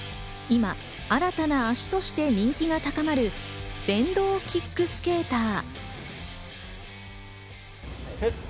今、新たな足として人気が高まる電動キックスケーター。